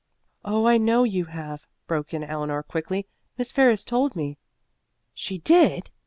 "Oh, I know you have," broke in Eleanor quickly. "Miss Ferris told me." "She did!"